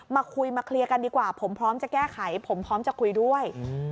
มาคุยมาเคลียร์กันดีกว่าผมพร้อมจะแก้ไขผมพร้อมจะคุยด้วย